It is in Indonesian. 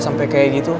sampai kayak gitu